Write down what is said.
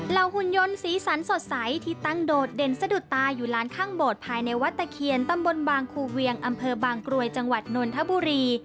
หุ่นยนต์สีสันสดใสที่ตั้งโดดเด่นสะดุดตาอยู่ร้านข้างโบสถ์ภายในวัดตะเคียนตำบลบางคูเวียงอำเภอบางกรวยจังหวัดนนทบุรี